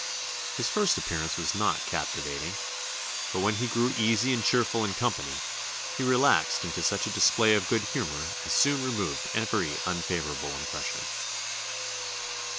His first appearance was not captivating; but when he grew easy and cheerful in company, he relaxed into such a display of good humour as soon removed every unfavourable impression."